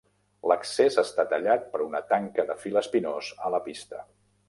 L'accés està tallat per una tanca de fil espinós a la pista.